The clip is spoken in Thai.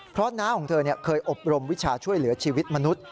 เพราะน้าของเธอเคยอบรมวิชาช่วยเหลือชีวิตมนุษย์